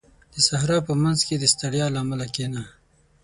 • د صحرا په منځ کې د ستړیا له امله کښېنه.